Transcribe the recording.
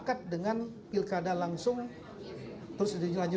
ditemukan agar konsistensi dan kemampuan kemampuan di masyarakat